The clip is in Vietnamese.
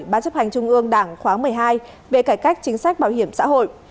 ban chấp hành trung ương đảng khóa một mươi hai về cải cách chính sách bảo hiểm xã hội